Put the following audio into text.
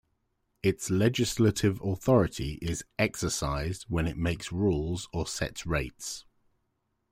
Its legislative authority is exercised when it makes rules or sets rates.